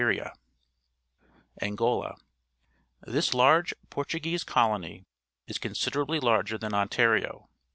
^ ANGOLA r^'^ This large Portuguese colony is consider ably larger than Ontario.